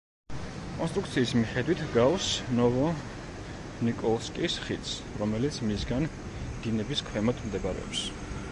კონსტრუქციის მიხედით ჰგავს ნოვო-ნიკოლსკის ხიდს, რომელიც მისგან დინების ქვემოთ მდებარეობს.